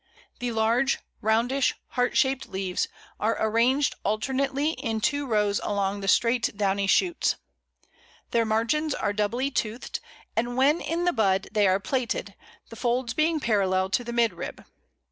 The large, roundish, heart shaped leaves are arranged alternately in two rows along the straight downy shoots. Their margins are doubly toothed, and when in the bud they are plaited, the folds being parallel to the midrib.